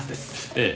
ええ。